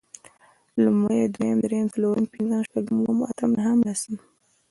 لومړی، دويم، درېيم، څلورم، پنځم، شپږم، اووم، اتم، نهم، لسم